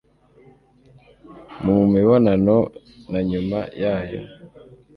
mu mu mibonano na nyuma yayo